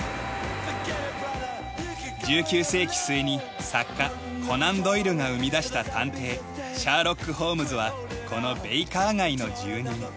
１９世紀末に作家コナン・ドイルが生み出した探偵シャーロック・ホームズはこのベイカー街の住人。